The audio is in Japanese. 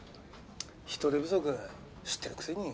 人手不足知ってるくせに。